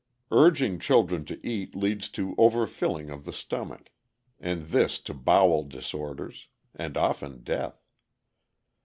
Urging children to eat leads to overfilling of the stomach, and this to bowel disorders, and often death.